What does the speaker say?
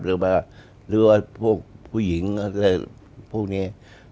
หรือว่าพวกผู้หญิงอะไรพวกนี้